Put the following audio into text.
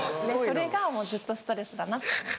それがもうずっとストレスだなと思って。